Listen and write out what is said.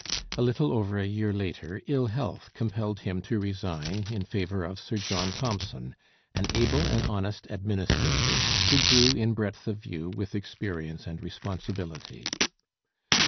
A little over a year later, ill health compelled him to resign in favour of Sir John Thompson, an able and honest administrator, who grew in breadth of view with experience and responsibility.